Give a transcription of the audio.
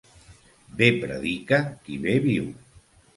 Bé predica qui bé viu.